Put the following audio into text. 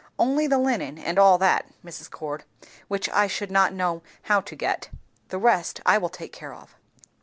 Only the linen and all that, Mrs. Cord, which I should not know how to get. The rest I will take care of."